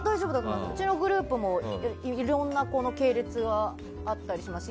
うちのグループもいろんな系列はあったりします。